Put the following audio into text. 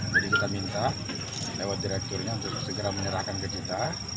kita minta lewat direkturnya untuk segera menyerahkan ke kita